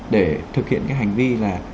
để thực hiện hành vi